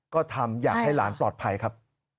ก็ทำอยากให้หลานปลอดภัยครับ